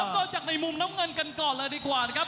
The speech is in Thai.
เริ่มจากในมุมน้ำเงินกันก่อนเลยดีกว่านะครับ